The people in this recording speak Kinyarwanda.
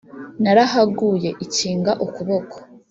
narahaguye ikinga ukuboko